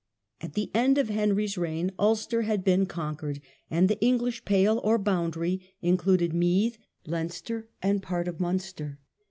At the end of Henry's reign Ulster had been conquered, and the English pale (or boundary) included Meath, Leinster, and part of Munster.